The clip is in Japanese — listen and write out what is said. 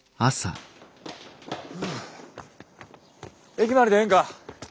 駅まででええんか？